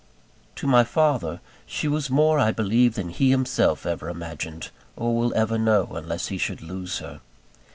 To my father, she was more, I believe, than he himself ever imagined or will ever know, unless he should lose her.